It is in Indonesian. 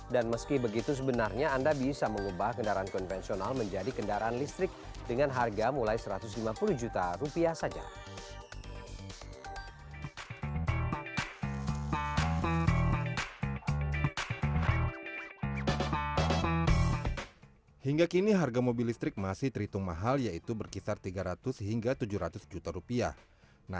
dan meski begitu sebenarnya anda bisa mengubah kendaraan konvensional menjadi kendaraan listrik dengan harga mulai satu ratus lima puluh juta rupiah saja